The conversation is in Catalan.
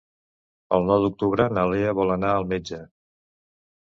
El nou d'octubre na Lea vol anar al metge.